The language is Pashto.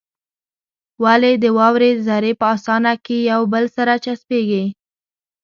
ولې د واورې ذرې په اسانه له يو بل سره چسپېږي؟